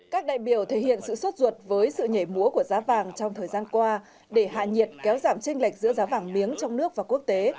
các đại biểu thể hiện sự suốt ruột với sự nhảy múa của giá vàng trong thời gian qua để hạ nhiệt kéo giảm tranh lệch giữa giá vàng miếng trong nước và quốc tế